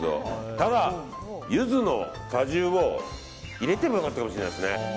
ただ、ユズの果汁を入れても良かったかもしれませんね。